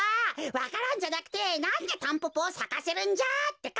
わか蘭じゃなくてなんでタンポポをさかせるんじゃってか。